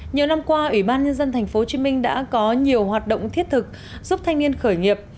nhiều năm qua ủy ban nhân dân tp hcm đã có nhiều hoạt động thiết thực giúp thanh niên khởi nghiệp